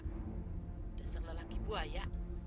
udah serlah lagi buaya